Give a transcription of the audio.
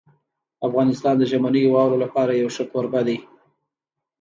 افغانستان د ژمنیو واورو لپاره یو ښه کوربه دی.